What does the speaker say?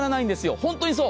本当にそう。